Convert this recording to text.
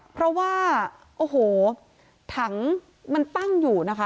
เพราะว่าโอ้โหถังมันตั้งอยู่นะคะ